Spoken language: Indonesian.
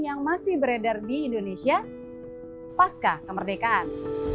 yang masih beredar di indonesia pasca kemerdekaan